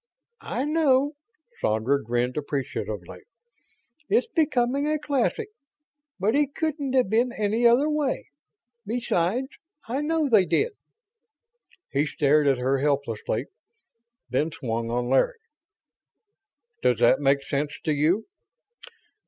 "I know." Sandra grinned appreciatively. "It's becoming a classic. But it couldn't have been any other way. Besides, I know they did." He stared at her helplessly, then swung on Larry. "Does that make sense to you?"